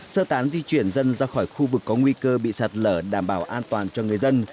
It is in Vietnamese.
sơ tán di chuyển dân ra khỏi khu vực có nguy cơ bị sạt lở đảm bảo an toàn cho người dân